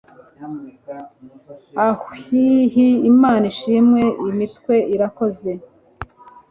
ahuih imana ishimwe imitwe irakoze